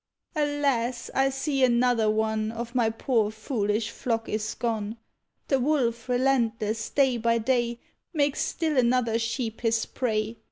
"Alas! I see another one Of my poor foolish flock is gone! The wolf, relentless, day by day, Makes still another sheep his prey.